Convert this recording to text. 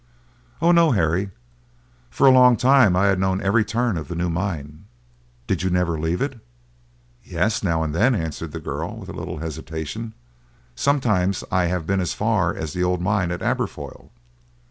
"Oh, no, Harry; for a long time I had known every turn of the new mine." "Did you never leave it?" "Yes, now and then," answered the girl with a little hesitation; "sometimes I have been as far as the old mine of Aberfoyle."